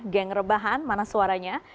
gang rebahan mana suaranya